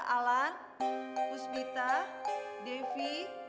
alan pusbita devi